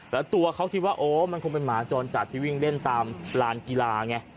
แล้วตัวเขาคิดว่าโอ้มันคงเป็นหมาจรจัดที่วิ่งเล่นตามลานกีฬาไง